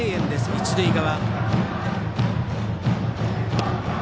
一塁側。